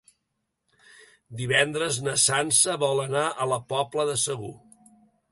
Divendres na Sança vol anar a la Pobla de Segur.